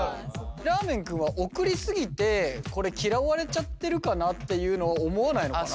らーめん君は送り過ぎてこれ嫌われちゃってるかなっていうのを思わないのかな。